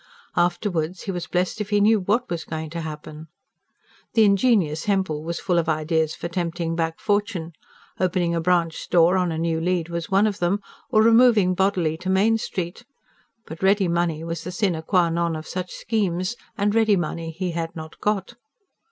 Afterwards, he was blessed if he knew what was going to happen. The ingenious Hempel was full of ideas for tempting back fortune opening a branch store on a new lead was one of them, or removing bodily to Main Street but ready money was the SINE QUA NON of such schemes, and ready money he had not got.